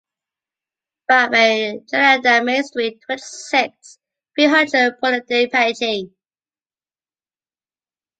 five A Chéradame street, twenty-six, three hundred, Bourg-de-Péage